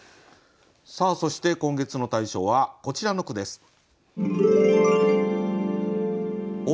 さあそして今月の大賞はこちらの句です。